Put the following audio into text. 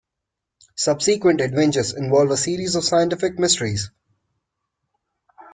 Subsequent adventures involve a series of scientific mysteries.